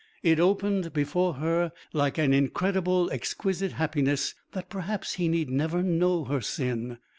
It opened before her like an incredible exquisite happiness that perhaps he need never know her sin.